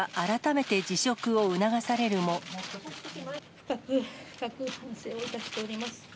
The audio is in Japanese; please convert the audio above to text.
深く深く反省をいたしております。